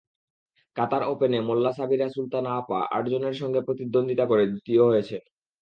কাতার ওপেনে মোল্লা সাবিরা সুলতানা আপা আটজনের সঙ্গে প্রতিদ্বন্দ্বিতা করে দ্বিতীয় হয়েছেন।